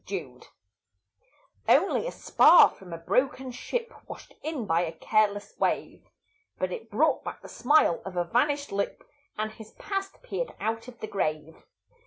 TRIFLES Only a spar from a broken ship Washed in by a careless wave; But it brought back the smile of a vanished lip, And his past peered out of the grave.